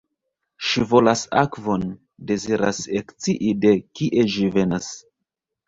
Ŝi volas akvon — deziras ekscii de kie ĝi venas.